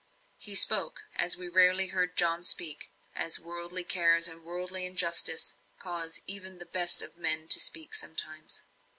He spoke as we rarely heard John speak: as worldly cares and worldly injustice cause even the best of men to speak sometimes.